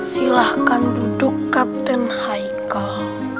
silahkan duduk captain haikal